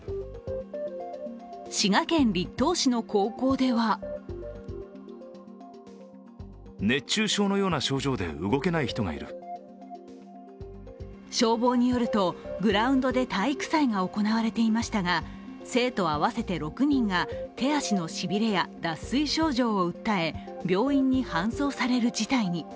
滋賀県栗東市の高校では消防によると、グラウンドで体育祭が行われていましたが生徒合わせて６人が手足のしびれや脱水症状を訴え、病院に搬送される事態に。